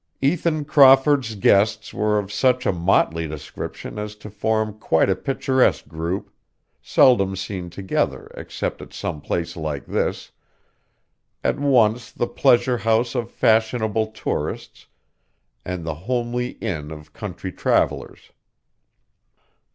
Ethan Crawford's guests were of such a motley description as to form quite a picturesque group, seldom seen together except at some place like this, at once the pleasure house of fashionable tourists and the homely inn of country travellers.